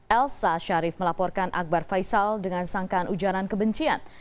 elza sharif melaporkan akbar faisal dengan sangkaan ujuanan kebencian